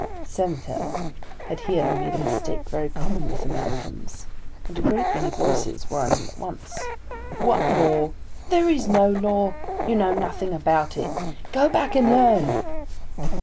The Senator had here made a mistake very common with Americans, and a great many voices were on him at once. "What law?" "There is no law." "You know nothing about it." "Go back and learn."